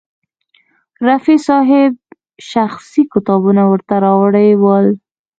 رفیع صاحب شخصي کتابونه ورته راوړي ول.